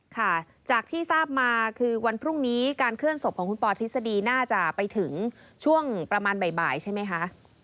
ค่ะจากที่ทราบมาคือวันพรุ่งนี้การเคลื่อนศพของคุณปอทฤษฎีน่าจะไปถึงช่วงประมาณบ่ายใช่ไหมคะ